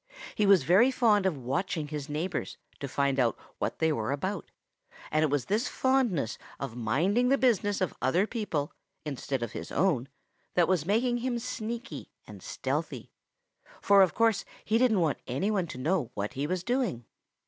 He was very fond of watching his neighbors to find out what they were about, and it was this fondness of minding the business of other people instead of his own that was making him sneaky and stealthy, for of course he didn't want any one to know what he was doing.